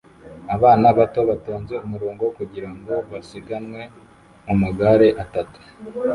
Abana bato batonze umurongo kugirango basiganwe mumagare atatu